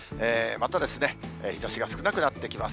また日ざしが少なくなってきます。